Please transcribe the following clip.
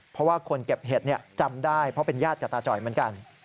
เพราะว่าคนเก็บเห็ดจำได้เพราะเป็นญาติกับตาจ่อยเหมือนกัน